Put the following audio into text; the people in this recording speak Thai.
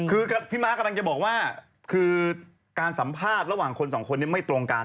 คือพี่ม้ากำลังจะบอกว่าคือการสัมภาษณ์ระหว่างคนสองคนนี้ไม่ตรงกัน